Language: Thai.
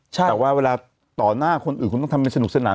แต่ว่าเวลาต่อหน้าคนอื่นคุณต้องทำให้สนุกสนาน